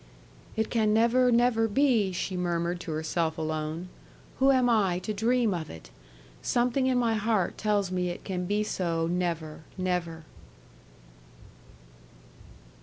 'It can never, never be,' she murmured to herself alone: 'Who am I, to dream of it? Something in my heart tells me it can be so never, never.'